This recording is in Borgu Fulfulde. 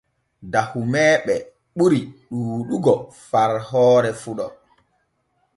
Dahumeeɓe ɓuri ɗuuɗugo far hoore fuɗo.